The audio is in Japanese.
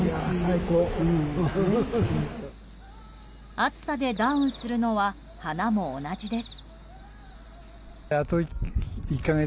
暑さでダウンするのは花も同じです。